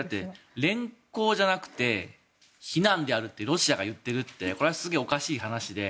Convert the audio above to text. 連行じゃなくて避難であるってロシアが言ってるってすごくおかしい話で。